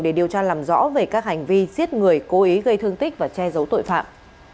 để điều tra làm rõ về các hành vi giết người cố ý gây thương tích và che giấu tội phạm